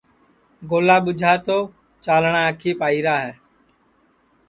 گولا ٻُوجھا تو چاݪٹؔا آنکھیپ آئیرا ہے